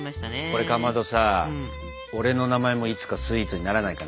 これかまどさ俺の名前もいつかスイーツにならないかね。